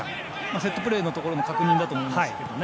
セットプレーのところの確認だと思いますけどね。